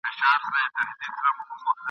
څپه څپه را ځه توپانه پر ما ښه لګیږي ..